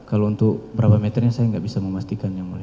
kalau untuk berapa meternya saya nggak bisa memastikan yang mulia